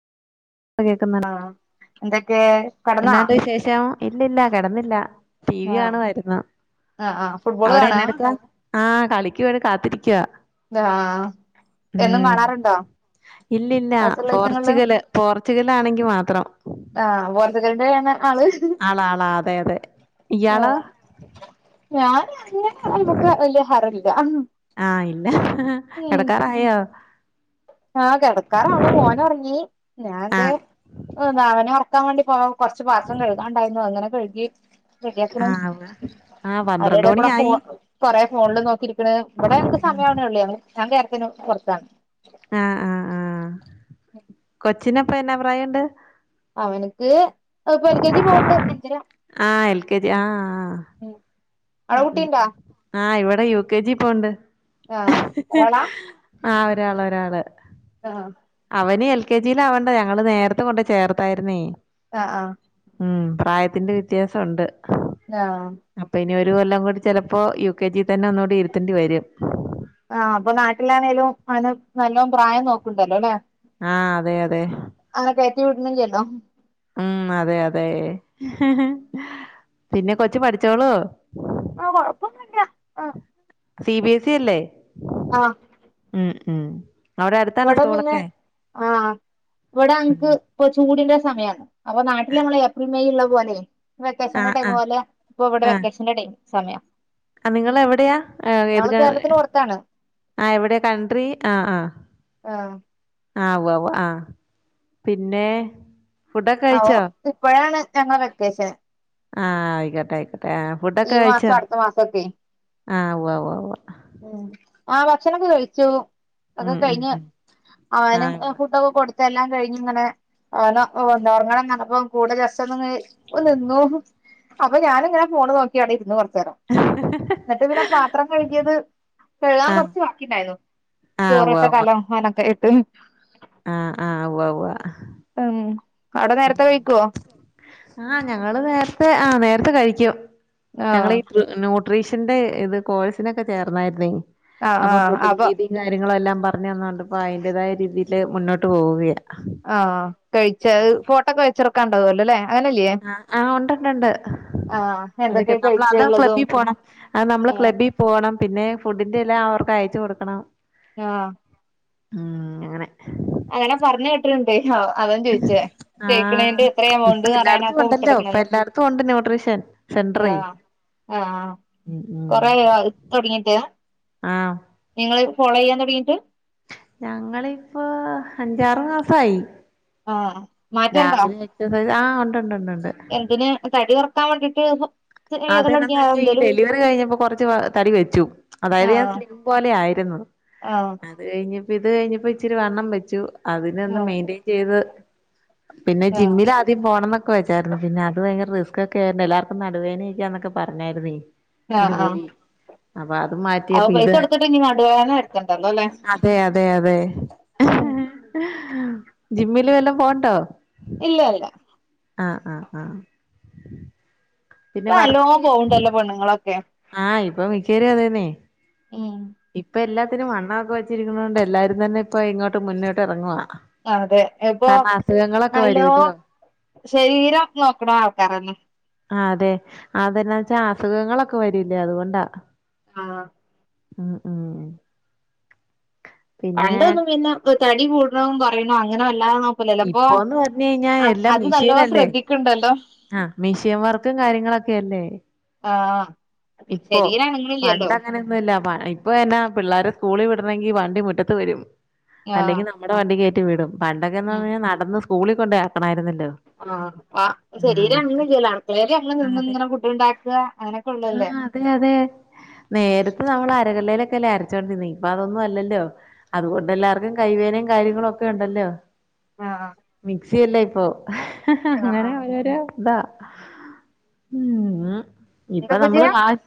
പ്പം കേക്ക്ന്ന്ണ്ട് ആഹ് എന്തൊക്കെ കടന്നാ എന്നാണ്ട് വിശേഷം ഇല്ലല്ല കെടന്നില്ല ടി വി ആഹ് കാണുവാര്ന്ന് ആഹ് ആഹ് ഫുട്ബോള് അവടെ കാണാ എന്നാ എടുക്കുവാ ആഹ് കളിക്കു ഇവടെ കാത്തിരിക്ക്യാ ആഹ് എന്നും കാണാറുണ്ടൊ ഇല്ലില്ലാ പോർച്ചുഗല് പോർച്ചുഗല് ആണെങ്കി മാത്രം ആഹ് പോർച്ചുകലിന്റെ അങ ആള് ആളാ ആളാ അതെ അതെ ഇയാളോ ആഹ് ഞാന് അങ്ങനെമുക്ക് വല്യയ ഹരം ഇല്ല ആഹ് ഇല്ലാ കെടക്കാറായോ ആഹ് കെടക്കാറാവണു മോന് ഒറങ്ങി ഞാൻ ദേ ആഹ് നാളന കാൻ വേണ്ടി പോ കൊറച്ച് പാത്രം കഴുകാൻണ്ടാരുന്നു അത്ങ്ങനെ കഴുകി റെഡിയാക്കണം ആഹ് ഉവ്വ് ആഹ് അയിന്റെ പന്ത്രണ്ട് എടേകൂട ഫോ മണിയായി കൊറെേ ഫോണില് നോക്കി ഇരിക്കണ് ഇവിടെ എൻക്ക് സമയാ വണേ ഒള്ളേ ഞാൻ കേരളത്തിന് പൊറത്താണ് ആഹ് ആഹ് കൊച്ചിന് അപ്പം എന്നാ പ്രായെണ്ട് അവനിക്ക് ഇപ്പോ എൽ കെ ജി പോവണ്ട് അഞ്ചരാ ആഹ് എൽ കെ ജി ആഹ് ഉം അവിടെ ഉംഉം കുട്ടിയുണ്ടോ ആഹ് ഇവിടെ യു കെ ജി പോണ്ട് ആഹ് ഒരാളാ ആഹ് ഒരാള് ഒരാള് ആഹ് അവന് എൽ കെ ജില് ആവണ്ടെ ഞങ്ങള് നേരത്തെ കൊണ്ട് ചേർത്താരുന്നേ ആഹ് ആഹ് ഉം പ്രായത്തിന്റെ വ്യത്യാസം ഒണ്ട് ആഹ് അപ്പോ ഇനി ഒരു കൊല്ലം കൂടി ചിലപ്പോ യു കെ ജി തന്നെ ഒന്നൂടി ഇരുത്തണ്ടി വരും ആഹ് അപ്പോ നാട്ടിലാണേലും അവന് നല്ലോം പ്രായം നോക്കുണ്ടല്ലോ ല്ലേ ആഹ് അതെ അതെ അവന കേറ്റി വിട്ന്നിലല്ലോ ഉം അതെ അതെ പിന്നെ കൊച്ചു പഠിച്ചോളു ആഹ് കൊഴപ്പോന്നില്ല സി ബി എസ് സി അല്ലേ ആഹ് ഉം ഉം അവിടെ അടുത്താണോ ഇവിട പിന്നെ സ്കൂളൊക്കെ ആഹ് ഇവിട അൻക്ക് ഇപ്പോ ചൂടിന്റെ സമയാണ് അപ്പോ നാട്ടില് ഞമ്മള് ഏപ്രിൽ മെയ്ള്ള പോലെ വെക്കേഷന്റെ ആഹ് ടൈം ആഹ് പോലെ ഇപ്പൊ ഇവിടെ വെക്കേഷന്റെ ടൈം സമയം ആഹ നിങ്ങള് എവിടെയാ ഏത് കേരളത്തിന് പൊറത്താണ് ആഹ് എവിടെയാ കൺട്രി ആഹ ആഹ ആഹ ആഹ് ഉവ്വാ ഉവ്വാ ആഹ് പിന്നെ ഫുഡൊക്കെ ആ ഓ കഴിച്ചോ ഇപ്പഴാണ് ഞങ്ങളെ വെക്കേഷൻ ആഹ ആയിക്കൊട്ടെ ആയിക്കൊട്ടെ ആ ഫുഡൊക്കെ ഈ മാസം കഴിച്ചോ അടുത്ത മാസൊക്കെ ആഹ ഉവ് ഉവ് ഉവ് ഉം ആ ഭക്ഷണൊക്കെ കഴിച്ചു ഒക്കെ ഉം ഉം കഴിഞ്ഞ് ഉം അവന് ആഹ് ഉവ്വ [unintelligible] കൊട്ത്ത് എല്ലാം കഴിഞ്ഞ് ഇങ്ങനെ അവനോ ഒന്നറങ്ങണംന്നർപ്പം കൂടെ ജസ്റ്റൊന്ന്ങ്ങനെ നിന്നു ഹ് അപ്പം ഞാന്ങ്ങനെ ഫോണ് നോക്കി അവിടെഇരുന്നു കൊറ്ച്ചേരം ഇന്നിട്ട് പിന്നെ പാത്രം കഴ്കിയത് കഴുകാൻ ആഹ് കൊറ്ച്ച് ബാക്കിണ്ടായിന്നു ആഹ് ചോറ് ഉവ്വ വെച്ച കലം അയിനൊക്കെ ഇട്ട് ആഹ ആഹ ഉവ്വ് ഉവ്വ് ഉം അവിടെ നേരത്തെ കഴിക്കോ ആഹ ഞങ്ങള് നേരത്തെ ആഹ നേരത്തെ കഴിക്കും ആഹ് ഞങ്ങളെ ഇ ന്യൂട്രീഷന്റെ ഇത് കോഴ്സിനൊക്കെ ചേർന്നതല്ലേ ആഹ് അപ്പൊ ആഹ് ഫുഡിങ്ങ് [unintelligible] കാര്യങ്ങളെല്ലാം പറഞ്ഞ്ങ്ങാണ്ട് ഇപ്പ അയിന്റതായ രീതീല് മുന്നോട്ട് പോവുകയാ ആഹ് കഴിച്ചഅ് ഫോട്ടോക്കെ വെച്ചൊറ്ക്കാണ്ടാവൊല്ലലേ ആഹ് ഉണ്ടുണ്ട്ണ്ട് ആഹ് അതൊക്കെ എന്തൊക്കെ നമ്മള അതാ കഴിച്ചുള്ളതും ക്ലബി പോണം അ നമ്മള ആഹ് ക്ലബി പോണം പിന്നെ ഫുഡിന്റെ എല്ലാം അവർക്ക് അയച്ചു കൊടുക്കണം ആഹ് ഉം അങ്ങനെ അങ്ങനെ പറഞ്ഞ് കേട്ടിട്ടുണ്ട് ഓ അവൻ ചോയിച്ചേ തേക്ക്ണേന്റെ ആഹ് എത്ര ഇപ്പൊ എമൗണ്ട്ന്ന് അറിയാന എല്ലായിടത്തും അഒക്കെ ഉണ്ടല്ലോ ഇപ്പൊ വിട്ടൊട്ക്കണംന്ന് എല്ലായിടത്തും ഉണ്ട് ന്യൂട്രീഷൻ സെന്ററെ ആഹ് ആഹ് ഉം ഉം കൊറേ ആയി തുടങ്ങിട്ട് ആഹ് നിങ്ങള് ഫോളോയ്യാൻ തൊടങ്ങിട്ട് ഞങ്ങളിപ്പോ അഞ്ചാറ് മാസായി ആഹ് മാറ്റണ്ടോ രാവിലെ എക്സസൈസ് ആഹ് ഉണ്ട് ഉണ്ട് ഉണ്ട് ഉണ്ട് എന്തിന് തടി കുറ ക്കാം വേണ്ടിട്ട് ചെയ്യല് അതെന്നെന്ന് തൊടങ്ങിയോ വെച്ചാ ഈ എന്തേലും ഡെലിവറി കഴിഞ്ഞപ്പോ കൊറ്ച്ച് തടി വെച്ചു അതായത് ഞാൻ ആഹ് സ്ലിം പോലെ ആയിരുന്നു ആഹ് അത് കഴിഞ്ഞപ്പ ഇത് കഴിഞ്ഞപ്പ ഇച്ചിരി വണ്ണം വെച്ചു അതിനന്ന് ആഹ് മെയിന്റെയിൻ ചെയ്ത് പിന്നെ ആഹ് ജിമ്മിലാ ദ്യം പോണന്നൊക്കെ വെച്ചായിരുന്നു പിന്നെ അത് ഭയങ്കര റിസ്കൊക്കെ ആയൊണ്ട് എല്ലാർക്കും നടു വേനിംക്യാന്നൊക്കെ പറഞ്ഞായിരുന്നെ ആഹ് ഇതിന് ആഹ് പോയി അപ്പൊ അത് മാ അപ്പൊ റ്റിയപ്പ ഇത് പൈസ കൊടുത്തിട്ട് ഇനി നടുവേദന വരുത്തണ്ടല്ലോ അല്ലേ അതെ അതെ അതെ ഉം ജിമ്മില് വെല്ലൊം പോണ്ടോ ഇല്ലല്ല ആഹ് ആഹ് ആഹ് ഇപ്പ പിന്നെ നല്ലോം വർക്ക് പോവ്ണ്ടല്ലോ പെണ്ണ്ങ്ങളൊക്കെ ആഹ് ഇപ്പ മിക്കേരും അതന്നെ ഉം ഇപ്പ എല്ലാത്തിനും വണ്ണ ഒക്കെ വെച്ചിരിക്കുന്നോണ്ട് എല്ലാരും തന്നെ ഇപ്പ ഇങ്ങോട്ട് മുന്നോട്ട് ഇറങ്ങുവാ അതെ ഇപ്പ കാരണം അസുഖങ്ങളൊക്കെ നല്ലോം വരൂല്ലോ ശരീരം നോക്ക്ണ ആൾക്കാരന്നെ ആഹ് അതെ അതെന്നാച്ചാ അസുഖങ്ങളൊക്കെ വരില്ലേ അതുകൊണ്ടാ ആഹ് ഉം ഉം പിന്നെ പണ്ടൊന്നും പിന്നെ തടി കൂട്ണും കൊറിണും അങ്ങനെ വല്ലാതെന്നും കുലപ്പോ ഇപ്പോന്ന് പറഞ്ഞ് കഴിഞ്ഞാ എല്ലാം അത് നല്ലോം മിഷീനല്ലേ ശ്രദ്ധിക്ക്ണ്ടല്ലോ ആഹ് മിഷ്യം വർക്കും കാര്യങ്ങളൊക്കെയല്ലേ ആഹ് ശരീരനങ്ങ്ണില്ല്യല്ലോ ന്നൊല്ല പ ഇപ്പ വര്ന പിള്ളേരെ സ്കൂളിൽ വിടണെങ്കിൽ വണ്ടി മുറ്റത്ത് വരും ആഹ് അല്ലെങ്കിൽ നമ്മടെ വണ്ടി കേറ്റി വിടും. പണ്ടൊക്കെന്ന് ഉം പറ്ഞ്ഞാൽ നടന്ന് സ്കൂളിൽ കൊണ്ടേക്കണായിരുന്നല്ലോ ആഹ് പ്പ ശരീര അനങ്ങ്ണില്ല്യല്ലോ അടുക്കളേല് ഞങ്ങള് നിന്ന് ഇങ്ങനെ ഫുഡ് ഇണ്ടാക്കാ അങ്ങനെ ആഹ അതെ അതെ നേരത്തെ നമ്മൾ അരകല്ലയിലൊക്കെല്ല അരച്ചുകോണ്ടിരുന്ന ഇപ്പൊ അതൊന്നും അല്ലല്ലോ അതുകൊണ്ട് എല്ലാവർക്കും. കൈവേദനയും കാര്യങ്ങളും ഒക്കെ ഉണ്ടല്ലോ ആഹ് മിക്സിയല്ല ഇപ്പൊ ആഹ് അങ്ങനെ, ആഹ് ഓരോരോ താ എന്താ അപ്പൊ ഇപ്പ നമ്മള് ചെയ്യാ കാ